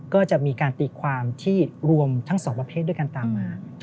ก็จะมีการตีความที่รวมทั้งสองประเภทด้วยกันตามมา